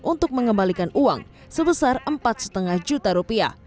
untuk mengembalikan uang sebesar empat lima juta rupiah